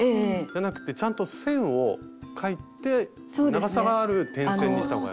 じゃなくてちゃんと線を描いて長さがある点線にした方が。